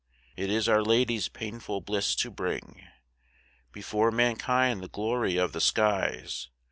It is Our Lady's painful bliss to bring Before mankind the Glory of the skies.